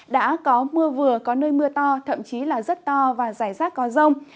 đã có mưa vừa có nơi mưa to thậm chí là rất to và rải rác có rông